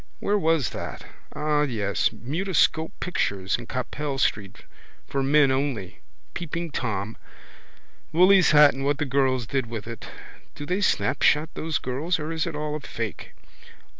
Where was that? Ah, yes. Mutoscope pictures in Capel street: for men only. Peeping Tom. Willy's hat and what the girls did with it. Do they snapshot those girls or is it all a fake?